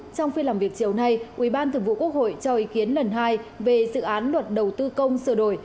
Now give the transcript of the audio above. trong phiên làm việc chiều nay ủy ban thường vụ quốc hội cho ý kiến lần hai về dự án luật đầu tư công sửa đổi